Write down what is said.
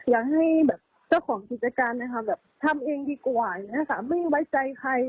อยากให้เจ้าของกิจการทำเองดีกว่าไม่ไว้ใจใคร